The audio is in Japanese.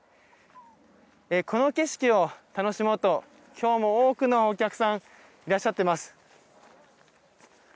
この景色を楽しもうときょうも多くのお客さんがいらっしゃっています。